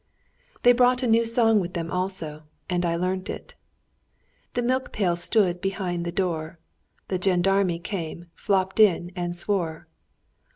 They brought a new song with them also, and I learnt it. "The milk pail stood behind the door, The Gendarme came, flopped in and swore!